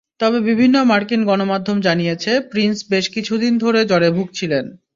তবে বিভিন্ন মার্কিন গণমাধ্যম জানিয়েছে, প্রিন্স বেশ কিছুদিন ধরে জ্বরে ভুগছিলেন।